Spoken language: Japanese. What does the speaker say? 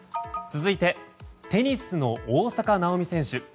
続いてテニスの大坂なおみ選手。